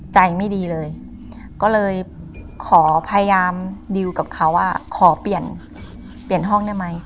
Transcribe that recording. ใจไม่ดีเลยก็เลยขอพยายามดิวกับเขาว่าขอเปลี่ยนเปลี่ยนห้องได้ไหม